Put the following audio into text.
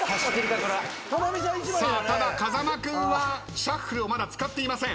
さあただ風間君はシャッフルをまだ使っていません。